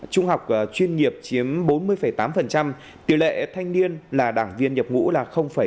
trung học chuyên nghiệp chiếm bốn mươi tám tiểu lệ thanh niên là đảng viên nhập ngũ là hai mươi một